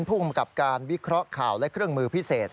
ภูมิกับการวิเคราะห์ข่าวและเครื่องมือพิเศษ